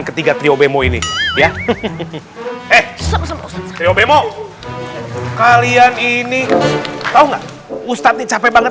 ketiga trio bemo ini ya eh sok trio bemo kalian ini tahu nggak ustadz nih capek banget